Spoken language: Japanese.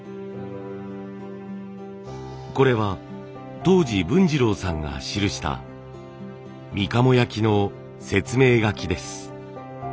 これは当時文次郎さんが記したみかも焼の説明書きです。